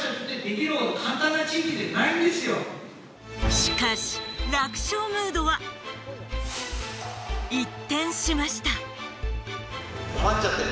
しかし楽勝ムードは一転しました。